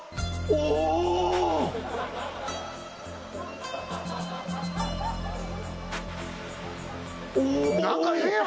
おお何か言えよ！